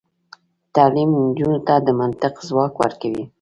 تعلیم نجونو ته د منطق ځواک ورکوي.